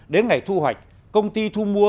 đến ngày thu hoạch công ty thu mua